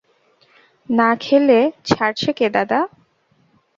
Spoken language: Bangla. না খেলে ছাড়ছে কে দাদা?